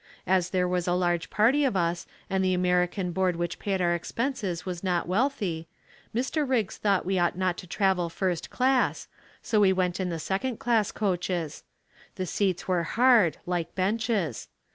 As there was a large party of us and the American board which paid our expenses was not wealthy, Mr. Riggs thought we ought not to travel first class, so we went in the second class coaches. The seats were hard, like benches.